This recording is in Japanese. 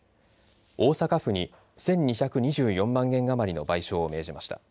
大阪府に１２２４万円余りの賠償を命じました。